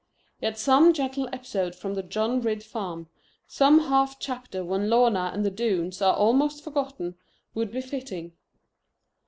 Yet some gentle episode from the John Ridd farm, some half chapter when Lorna and the Doones are almost forgotten, would be fitting.